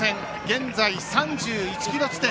現在３１キロ地点。